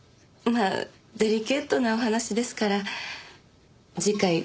まあデリケートなお話ですから次回